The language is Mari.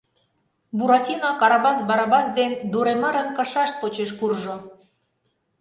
Буратино Карабас Барабас ден Дуремарын кышашт почеш куржо.